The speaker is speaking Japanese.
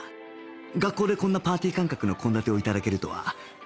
学校でこんなパーティー感覚の献立を頂けるとは